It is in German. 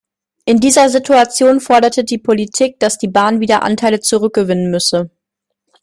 In dieser Situation forderte die Politik, dass die Bahn wieder Anteile zurückgewinnen müsse.